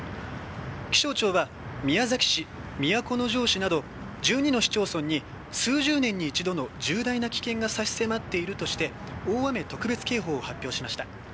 気象庁は宮崎市、都城市など１２の市町村に数十年に一度の重大な危険が差し迫っているとして大雨特別警報を発表しました。